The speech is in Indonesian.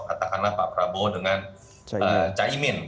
katakanlah pak prabowo dengan caimin